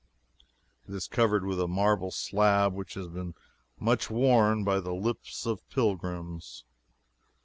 It is covered with a marble slab which has been much worn by the lips of pilgrims.